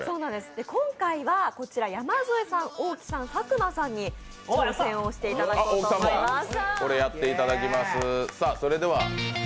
今回は山添さん、大木さん、佐久間さんに挑戦をしていただこうと思います。